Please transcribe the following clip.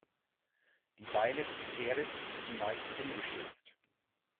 Die Beine des Pferdes blieben meist ungeschützt.